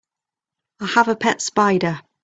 I have a pet spider.